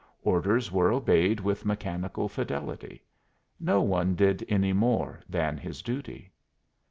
Orders were obeyed with mechanical fidelity; no one did any more than his duty.